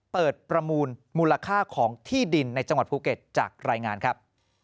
ประมูลมูลค่าของที่ดินในจังหวัดภูเก็ตจากรายงานครับ